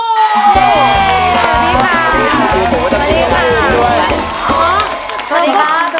สวัสดีครับ